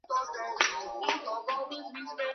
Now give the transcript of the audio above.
ზოგიერთი მათგანი ადგილობრივი ნაწარმია.